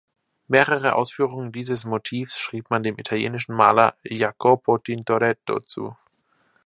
Mehrere Ausführungen dieses Motivs schrieb man dem italienischen Maler Jacopo Tintoretto zu.